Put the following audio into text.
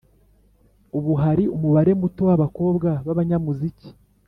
Ubu hari umubare muto w’abakobwa b’abanyamuziki,